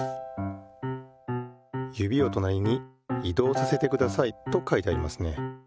「指をとなりに移動させてください」と書いてありますね。